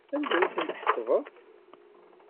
Anda ay ten-tḥesbeḍ?